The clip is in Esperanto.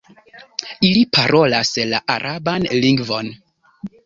Ili parolas la araban lingvon.